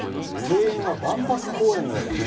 庭園は万博公園のような。